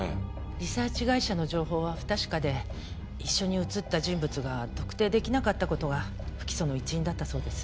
リサーチ会社の情報は不確かで一緒に写った人物が特定できなかった事が不起訴の一因だったそうです。